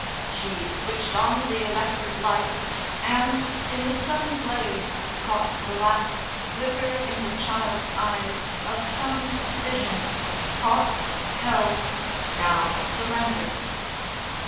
She switched on the electric light, and, in the sudden blaze, caught the last flicker in the child's eyes of some vision, caught, held, now surrendered.